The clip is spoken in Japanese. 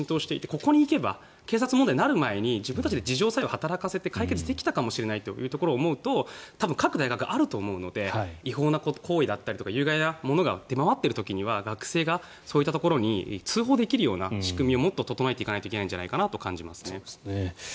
ここに行けば警察問題になる前に自分たちで自浄作用を働かせて解決できたかもしれないと思うと各大学、あると思うので違法な行為などが出回っている時は学生がそういうところに通報できる仕組みをもっと整えていかないといけないと思いますね。